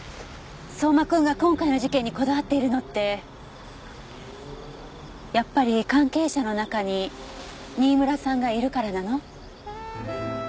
相馬君が今回の事件にこだわっているのってやっぱり関係者の中に新村さんがいるからなの？